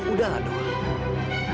udah lah doang